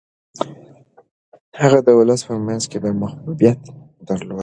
هغه د ولس په منځ کي محبوبیت درلود.